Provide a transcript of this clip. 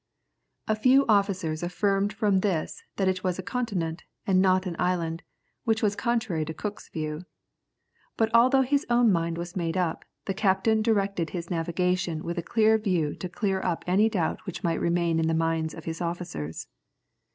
A few officers affirmed from this that it was a continent, and not an island, which was contrary to Cook's view. But although his own mind was made up, the captain directed his navigation with a view to clear up any doubt which might remain in the minds of his officers.